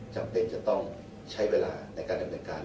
จังเต้นจะต้องใช้เวลาในการทำนำการ